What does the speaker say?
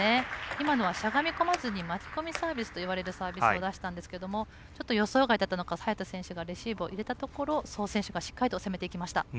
今のはしゃがみこまずに巻き込みサービスと呼ばれるサービスを出したんですがちょっと予想外だったのか早田選手がレシーブを入れたところしっかりと攻めていきました。